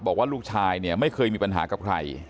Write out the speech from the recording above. บอกว่าลูกชายเนี่ยไม่เคยมีปัญหากับใคร